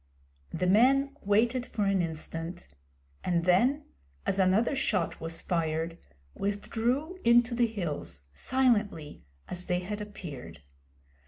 The men waited for an instant, and then, as another shot was fired, withdrew into the hills, silently as they had appeared.